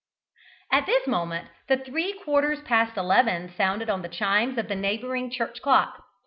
At this moment the three quarters past eleven sounded on the chimes of the neighbouring church clock.